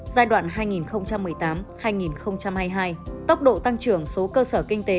giai đoạn hai nghìn một mươi tám hai nghìn hai mươi hai tốc độ tăng trưởng số cơ sở kinh tế